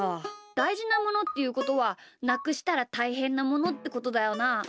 だいじなものっていうことはなくしたらたいへんなものってことだよな。